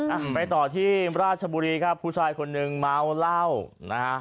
อ่ะไปต่อที่ราชบุรีครับผู้ชายคนหนึ่งเมาเหล้านะฮะ